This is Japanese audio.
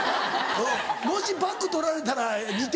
もしバック取られたら２点！